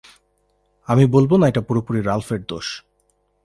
আমি বলবো না এটা পুরোপুরি রাল্ফের দোষ।